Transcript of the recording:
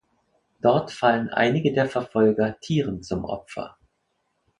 Dort fallen einige der Verfolger Tieren zum Opfer.